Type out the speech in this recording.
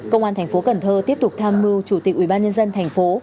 công an thành phố cần thơ tiếp tục tham mưu chủ tịch ủy ban nhân dân thành phố